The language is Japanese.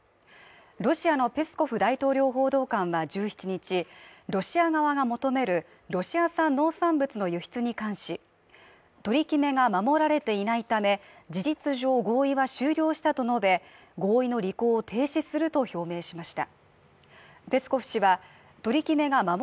ロシアのペスコフ大統領報道官は１７日、ロシア側が求めるロシア産農産物の輸出に関し、取り決めが守られていないため、事実上合意は終了したと述べ、合意の履行を停止すると表明しました。